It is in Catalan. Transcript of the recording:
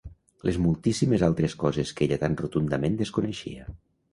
Les moltíssimes altres coses que ella tan rotundament desconeixia.